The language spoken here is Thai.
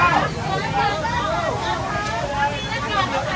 หอคลิกตัวหอคลิกค้า